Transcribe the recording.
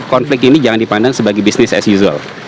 konflik ini jangan dipandang sebagai business as usual